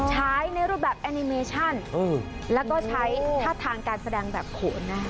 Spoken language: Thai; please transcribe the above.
ใช้ในรูปแบบแอนิเมชั่นแล้วก็ใช้ท่าทางการแสดงแบบโขนหน้า